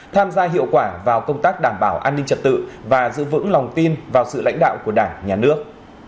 tham gia hiệu quả vào công tác đảm bảo an ninh trật tự và giữ vững lòng tin vào sự lãnh đạo của đảng nhà nước